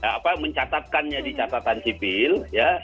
apa mencatatkannya di catatan sipil ya